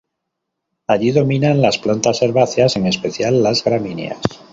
Allí dominan las plantas herbáceas, en especial las gramíneas.